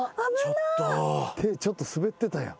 手ちょっと滑ってたやん。